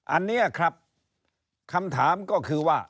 อันนี้ครับคำถามก็คือว่า